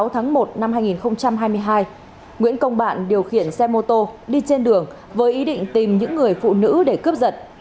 sáu tháng một năm hai nghìn hai mươi hai nguyễn công bạn điều khiển xe mô tô đi trên đường với ý định tìm những người phụ nữ để cướp giật